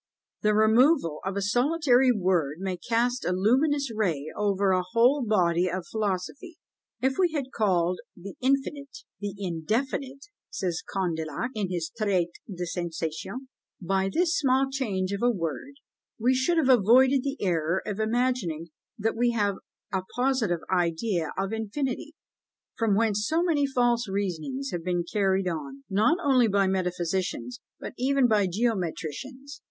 The removal of a solitary word may cast a luminous ray over a whole body of philosophy: "If we had called the infinite the indefinite," says Condillac, in his Traité des Sensations, "by this small change of a word we should have avoided the error of imagining that we have a positive idea of infinity, from whence so many false reasonings have been carried on, not only by metaphysicians, but even by geometricians."